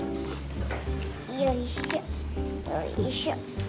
よいしょよいしょ。